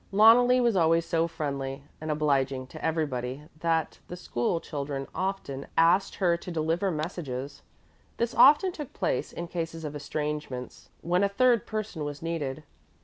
Loneli was always so friendly and obliging to everybody that the school children often asked her to deliver messages. This often took place in cases of estrangements when a third person was needed.